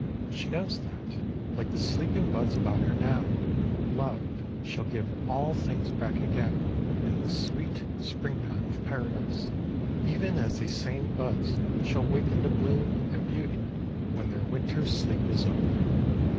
She knows that, like the sleeping buds about her now, Love shall give all things back again in the sweet springtime of Paradise, even as these same buds shall waken to bloom and beauty when their winter sleep is over.